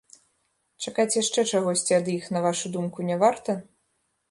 Чакаць яшчэ чагосьці ад іх, на вашую думку, не варта?